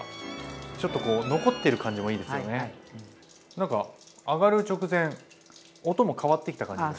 何か揚がる直前音も変わってきた感じがしますね。